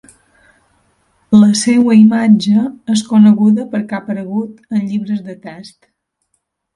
La seua imatge és coneguda perquè ha aparegut en llibres de text.